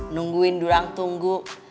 nungguin durang tunggu